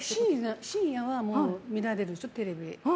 深夜は見られるでしょテレビ。